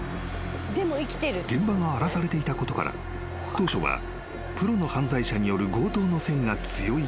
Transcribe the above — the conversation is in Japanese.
［現場が荒らされていたことから当初はプロの犯罪者による強盗の線が強いと思われたが］